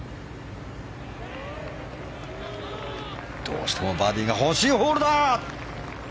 どうしてもバーディーが欲しいホールだ。